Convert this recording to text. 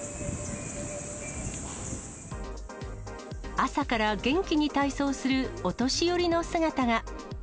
朝から元気に体操するお年寄りの姿が。